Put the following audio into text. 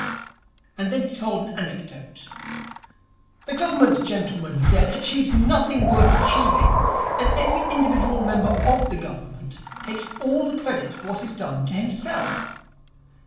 And then he told an anecdote. 'The Government, gentlemen,' he said, 'achieves nothing worth achieving, and every individual member of the Government takes all the credit for what is done to himself.